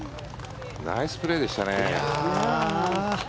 ナイスプレーでしたね。